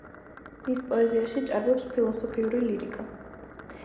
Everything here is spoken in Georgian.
მის პოეზიაში ჭარბობს ფილოსოფიური ლირიკა.